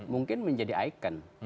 mungkin menjadi ikon